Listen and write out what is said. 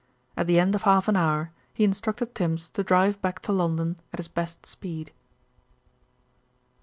At the end of half an hour he instructed Tims to drive back to London at his best speed.